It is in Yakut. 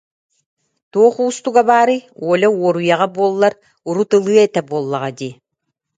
Туох уустуга баарый, Оля уоруйаҕа буоллар урут ылыа этэ буоллаҕа дии